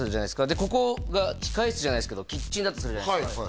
でここが控室じゃないですけどキッチンだとするじゃないですか？